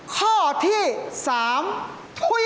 ข้อที่สามถุย